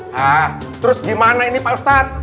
nah terus gimana ini pak ustadz